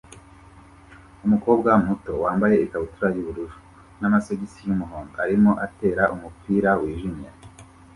Umukobwa muto wambaye ikabutura yubururu namasogisi yumuhondo arimo atera umupira wijimye